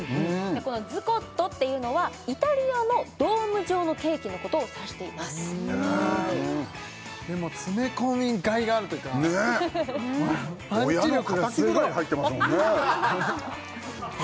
このズコットっていうのはイタリアのドーム状のケーキのことを指していますでも詰め込みがいがあるというかパンチ力がすごい親の敵ぐらい入ってます